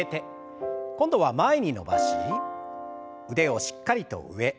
今度は前に伸ばし腕をしっかりと上。